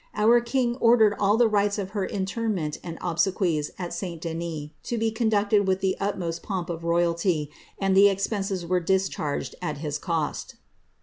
Our king ordered all the rites of her interment and obsequies at St. Denis to be conducted with the utmost pomp of royalty, and the expenses were discharged at his cost."